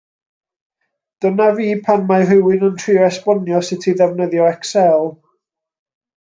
Dyna fi pan mae rhywun yn trio esbonio sut i ddefnyddio Excel.